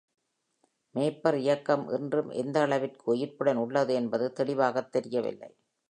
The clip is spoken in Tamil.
‘மேய்ப்பர் இயக்கம்‘ இன்றும் எந்த அளவிற்கு உயிர்ப்புடன் உள்ளது என்பது தெளிவாகத் தெரியவில்லை.